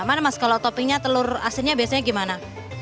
gimana mas kalau toppingnya telur asinnya biasanya gimana